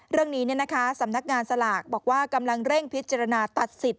เรื่องนี้สำนักงานสลากบอกว่ากำลังเร่งพิจารณาตัดสิทธิ